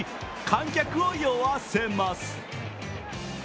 観客を酔わせます。